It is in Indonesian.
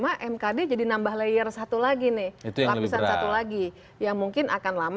apalagi lantas polisi memanggil